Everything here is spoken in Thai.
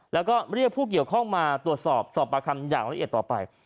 แล้วก็เรียกผู้เกี่ยวข้องมาตรวจสอบสอบประคำอย่างละเอียดต่อไป